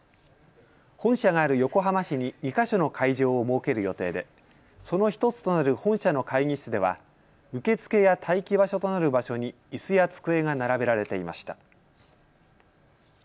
本社がある横浜市に２か所の会場を設ける予定でその１つとなる本社の会議室では受付や待機場所となる場所にいすや机が並べられていました。